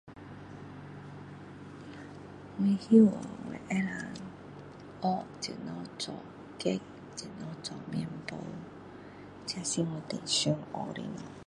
我希望我能够学怎样做 kek 怎样做面包这是我最想学的东西